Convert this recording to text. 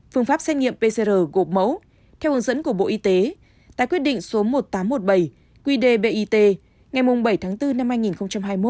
phương pháp xét nghiệm pcr gộp mẫu theo hướng dẫn của bộ y tế tại quyết định số một nghìn tám trăm một mươi bảy qd bit ngày bảy tháng bốn năm hai nghìn hai mươi một